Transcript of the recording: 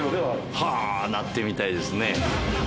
はぁー、なってみたいですね。